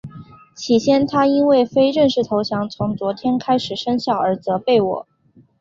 起先他因为非正式投降从昨天开始生效而责备我。